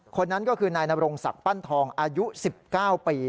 คนนั้นก็คือนายนรงศักดิ์ปั้นทองอายุ๑๙ปี